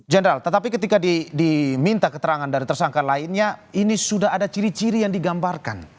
general tetapi ketika diminta keterangan dari tersangka lainnya ini sudah ada ciri ciri yang digambarkan